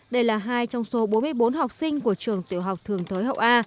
đây là hai trong số bốn mươi bốn học sinh của trường tiểu học thường thới hậu a